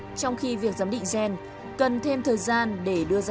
thủ trưởng kỹ thuật hình sự xuống ngay hiện trường